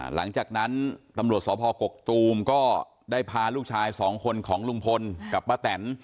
หลังจากนั้นตำรวจสพกกตูมก็ได้พาลูกชายสองคนของลุงพลกับป้าแตน